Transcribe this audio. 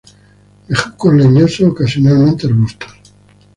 Bejucos leñosos, ocasionalmente arbustos.